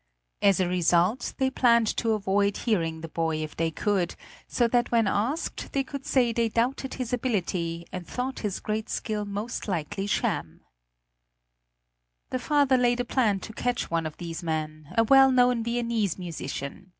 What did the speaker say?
As a result they planned to avoid hearing the boy if they could, so that when asked they could say they doubted his ability, and thought his great skill most likely sham. [Illustration: MOZART AND HIS SISTER BEFORE MARIA THERESA] The father laid a plan to catch one of these men, a well known Viennese musician.